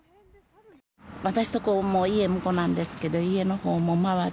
私のとこもそうなんですけど、家のほうも、周り